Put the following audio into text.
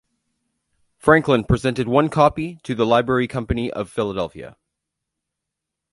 Franklin presented one copy to the Library Company of Philadelphia.